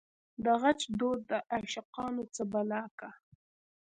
دغچ دود دعاشقانو څه بلا کا